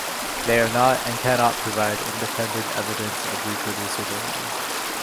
They are not and cannot provide independent evidence of reproducibility.